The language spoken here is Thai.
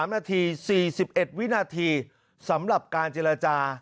๓นาที๔๑วินาทีสำหรับการเจรจา